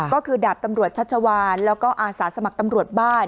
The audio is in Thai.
ก็คือดาบตำรวจชัชวานแล้วก็อาสาสมัครตำรวจบ้าน